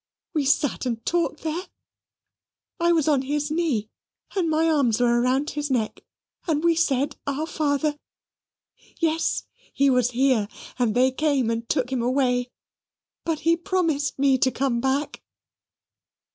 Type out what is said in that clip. We sate and talked there. I was on his knee, and my arms were round his neck, and we said 'Our Father.' Yes, he was here: and they came and took him away, but he promised me to come back."